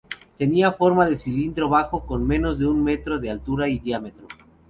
Tenía forma de cilindro bajo, con menos de un metro de altura y diámetro.